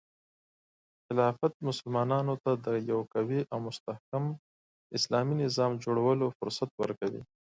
خلافت مسلمانانو ته د یو قوي او مستحکم اسلامي نظام جوړولو فرصت ورکوي.